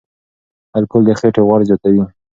الکول د خېټې غوړ زیاتوي.